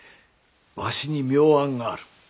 わしに妙案がある。